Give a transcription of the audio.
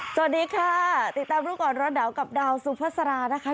สวัสดีค่ะติดตามรู้ก่อนร้อนหนาวกับดาวสุภาษารานะคะ